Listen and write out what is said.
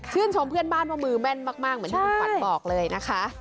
ชมเพื่อนบ้านว่ามือแม่นมากเหมือนที่คุณขวัญบอกเลยนะคะ